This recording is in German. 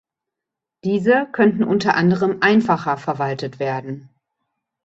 Diese könnten unter anderem einfacher verwaltet werden.